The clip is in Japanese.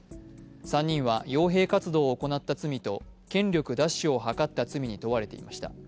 ３人はよう兵活動を行った罪と権力奪取を図った罪に問われていました。